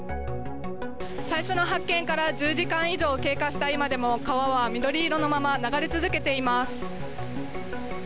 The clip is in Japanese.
最初の発見から１０時間以上経過した今でも川は緑色のまま流れ続けています。